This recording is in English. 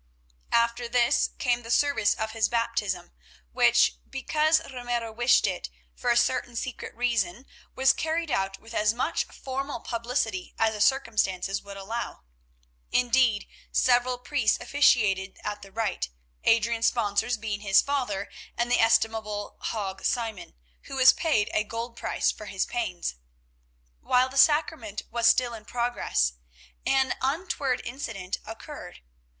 After this came the service of his baptism, which, because Ramiro wished it, for a certain secret reason, was carried out with as much formal publicity as the circumstances would allow. Indeed, several priests officiated at the rite, Adrian's sponsors being his father and the estimable Hague Simon, who was paid a gold piece for his pains. While the sacrament was still in progress, an untoward incident occurred.